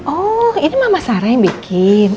oh ini mama sarah yang bikin